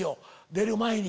出る前に。